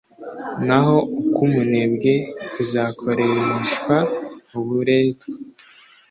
naho uk'umunebwe kuzakoreshwa uburetwa